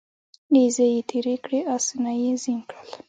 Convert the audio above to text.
نیزې یې تیرې کړې اسونه یې زین کړل